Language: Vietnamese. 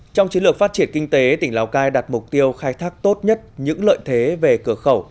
trong chiến lược phát triển kinh tế tỉnh lào cai đặt mục tiêu khai thác tốt nhất những lợi thế về cửa khẩu